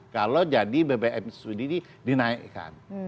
kalau jadi bbm subsidi dinaikkan